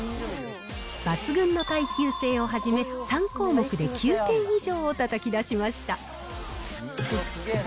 抜群の耐久性をはじめ、３項目で９点以上をたたき出しました。